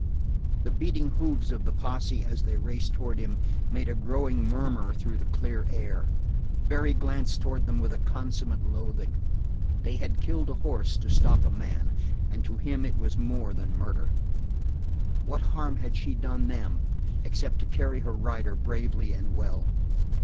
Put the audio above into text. The beating hoofs of the posse as they raced towards him made a growing murmur through the clear air. Barry glanced towards them with a consummate loathing. They had killed a horse to stop a man, and to him it was more than murder. What harm had she done them except to carry her rider bravely and well?